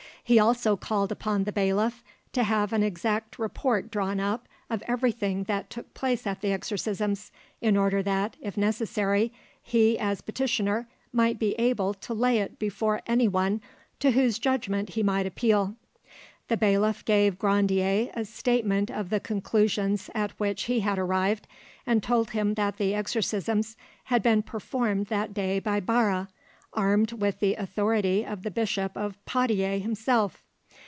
He also called upon the bailiff to have an exact report drawn up of everything that took place at the exorcisms, in order that, if necessary, he as petitioner might be able to lay it before anyone to whose judgment he might appeal. The bailiff gave Grandier a statement of the conclusions at which he had arrived, and told him that the exorcisms had been performed that day by Barre, armed with the authority of the Bishop of Poitiers himself.